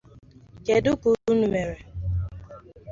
nakwà ùsòrò bụ ịgbà o si eme nke ahụ